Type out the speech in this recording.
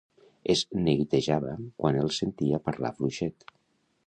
Es neguitejava quan els sentia parlar fluixet.